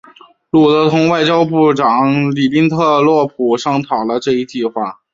路德同外交部长里宾特洛甫商讨了这一计划。